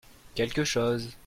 quelque chose.